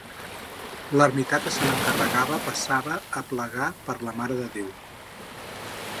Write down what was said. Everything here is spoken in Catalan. L'ermità que se n'encarregava passava a plegar per la Mare de Déu.